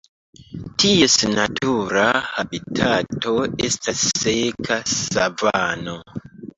Ties natura habitato estas seka savano.